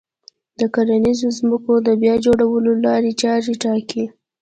و کرنيزو ځمکو د بيا جوړولو لارې چارې ټاکي